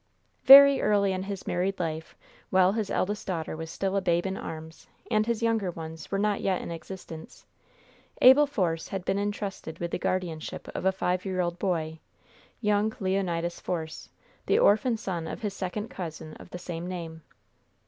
Very early in his married life, while his eldest daughter was still a babe in arms, and his younger ones were not yet in existence, Abel Force had been intrusted with the guardianship of a five year old boy young Leonidas Force, the orphan son of his second cousin of the same name.